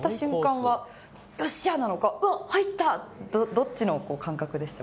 どっちの感覚でした？